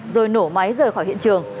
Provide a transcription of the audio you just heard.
rồi nổ máy rời khỏi hiện trường